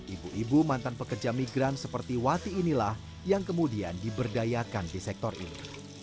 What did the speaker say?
ibu ibu mantan pekerja migran seperti wati inilah yang kemudian diberdayakan di sektor ini